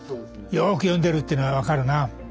よく読んでるっていうのは分かるな。